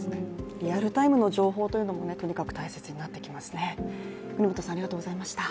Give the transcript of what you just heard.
リアルタイムの情報というのも大切になってきますね。